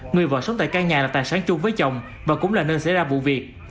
người vợ sống tại căn nhà là tài sản chung với chồng và cũng là nơi xảy ra vụ việc